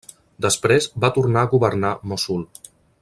Després va tornar a governar Mossul.